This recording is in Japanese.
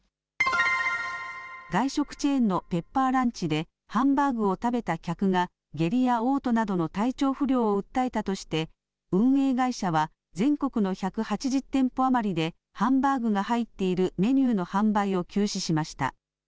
外食チェーンのペッパーランチで、ハンバーグを食べた客が、下痢やおう吐などの体調不良を訴えたとして、運営会社は全国の１８０店舗余りでハンバーグが入っているメニューの販売を休止しました。